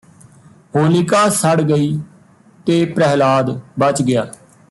ਹੋਲਿਕਾ ਸੜ ਗਈ ਤੇ ਪ੍ਰਹਿਲਾਦ ਬਚ ਗਿਆ